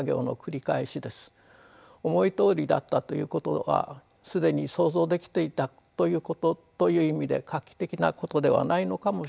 思いどおりだったということは既に想像できていたということという意味で画期的なことではないのかもしれません。